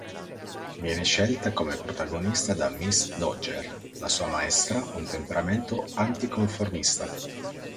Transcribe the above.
Viene scelta come protagonista da Miss Dodger, la sua maestra, un temperamento anticonformista.